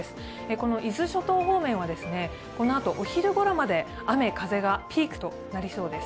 この伊豆諸島方面はこのあとお昼ごろまで雨・風がピークとなりそうです。